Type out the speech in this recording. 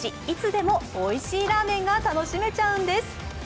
いつでもおいしいラーメンが楽しめちゃうんです。